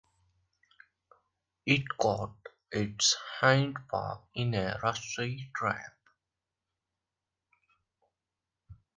It caught its hind paw in a rusty trap.